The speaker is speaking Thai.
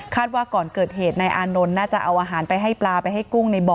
ว่าก่อนเกิดเหตุนายอานนท์น่าจะเอาอาหารไปให้ปลาไปให้กุ้งในบ่อ